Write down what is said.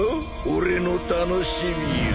俺の楽しみを。